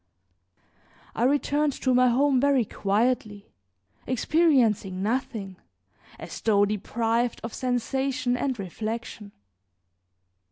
I returned to my home very quietly, experiencing nothing, as though deprived of sensation and reflection.